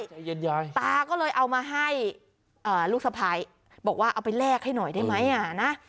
ใจเย็นยายตาก็เลยเอามาให้ลูกสะพ้ายบอกว่าเอาไปแลกให้หน่อยได้ไหมอ่ะนะ